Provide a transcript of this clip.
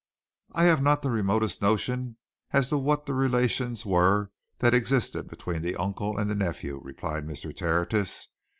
"I have not the remotest notion as to what the relations were that existed between the uncle and the nephew," replied Mr. Tertius.